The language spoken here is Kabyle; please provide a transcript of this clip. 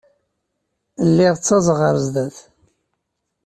Lliɣ ttaẓeɣ ɣer sdat.